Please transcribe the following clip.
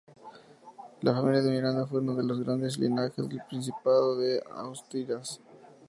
La familia Miranda fue uno de los grandes linajes del Principado de Asturias.